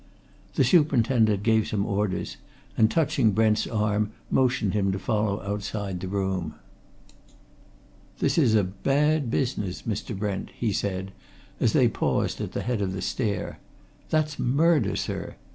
The superintendent gave some orders, and touching Brent's arm motioned him to follow outside the room. "This is a bad business, Mr. Brent!" he said as they paused at the head of the stair. "That's murder, sir!